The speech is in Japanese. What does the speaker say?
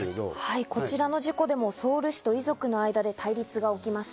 こちらの事故でもソウル市と遺族の間で対立が起きました。